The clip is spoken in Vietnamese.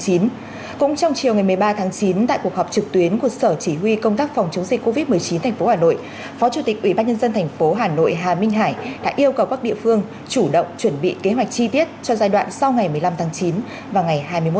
cũng trong chiều ngày một mươi ba tháng chín tại cuộc họp trực tuyến của sở chỉ huy công tác phòng chống dịch covid một mươi chín thành phố hà nội phó chủ tịch ubnd thành phố hà nội hà minh hải đã yêu cầu các địa phương chủ động chuẩn bị kế hoạch chi tiết cho giai đoạn sau ngày một mươi năm tháng chín và ngày hai mươi một tháng chín